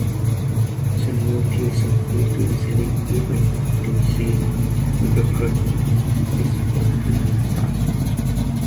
The negotiator, due to easily giving to these ludicrous demands, is promptly fired.